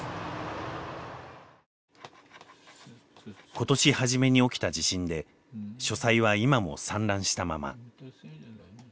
今年初めに起きた地震で書斎は今も散乱したまま。